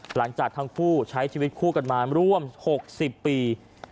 หลังจากทั้งคู่ใช้ชีวิตคู่กันมาร่วม๖๐ปี